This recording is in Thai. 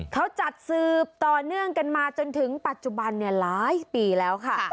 เขาจัดสืบต่อเนื่องกันมาจนถึงปัจจุบันหลายปีแล้วค่ะ